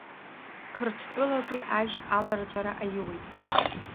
Қырҭтәылатәи ажь аларҵәара аиуеит.